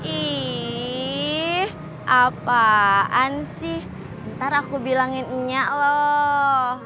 ih apaan sih ntar aku bilangin enyak loh